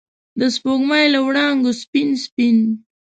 د سپوږمۍ له وړانګو سپین، سپین